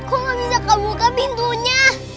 kok gak bisa kebuka pintunya